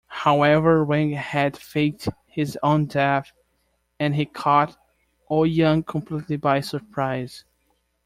However, Wang had faked his own death and he caught Ouyang completely by surprise.